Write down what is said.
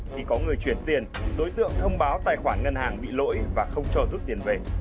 khi có người chuyển tiền đối tượng thông báo tài khoản ngân hàng bị lỗi và không cho rút tiền về